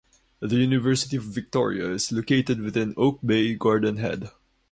The University of Victoria is located within Oak Bay-Gordon Head.